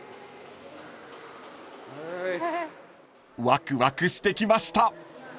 ［ワクワクしてきました］